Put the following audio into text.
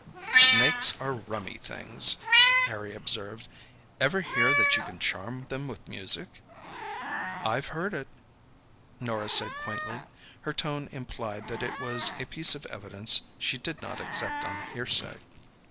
"Snakes are rummy things," Harry observed. "Ever hear that you can charm them with music?" "I've heard it," Norah said quaintly. Her tone implied that it was a piece of evidence she did not accept on hearsay.